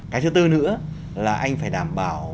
cái thứ tư nữa là anh phải đảm bảo